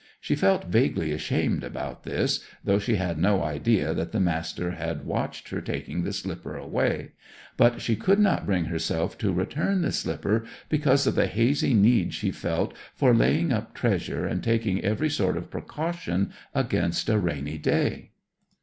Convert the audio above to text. She felt vaguely ashamed about this, though she had no idea that the Master had watched her taking the slipper away; but she could not bring herself to return the slipper, because of the hazy need she felt for laying up treasure and taking every sort of precaution against a rainy day.